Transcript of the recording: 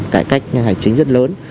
cải cách hành chính rất lớn